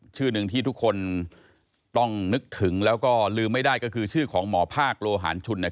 ชื่อหนึ่งที่ทุกคนต้องนึกถึงแล้วก็ลืมไม่ได้ก็คือชื่อของหมอภาคโลหารชุน